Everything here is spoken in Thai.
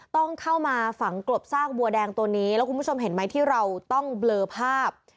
ต้องเข้ามาฝังกลบซากบัวแดงตัวนี้แล้วคุณผู้ชมเห็นไหมที่เราต้องเบลอภาพ